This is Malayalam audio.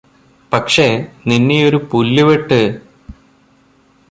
പക്ഷെ നിന്നെയൊരു പുല്ലുവെട്ട്